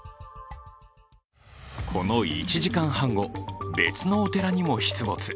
この１時間半後、別のお寺にも出没。